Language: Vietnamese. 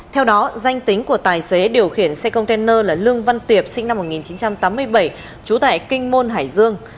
theo đó danh tính của tài xế điều khiển xe container là lương văn tiệp sinh năm một nghìn chín trăm tám mươi bảy trú tại kinh môn hải dương